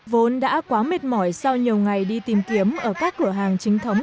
vốn đã quá mệt mỏi sau nhiều ngày đi tìm kiếm ở các cửa hàng chính thống